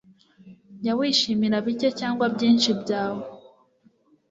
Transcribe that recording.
jya wishimira bike cyangwa byinshi byawe